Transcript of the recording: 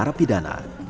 di penjagaan nusa kampung